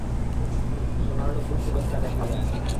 সোনার নূপুর খুব একটা দেখা যায় না।